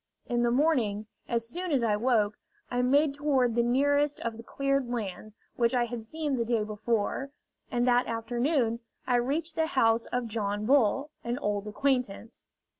In the morning, as soon as I woke, I made toward the nearest of the cleared lands which I had seen the day before; and that afternoon I reached the house of John Bull, an old acquaintance.